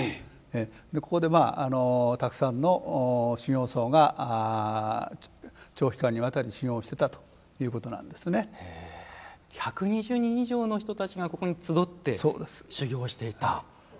ここでたくさんの修行僧が長期間にわたり修行をしていた１２０人以上の人たちがここに集って修行をしていた。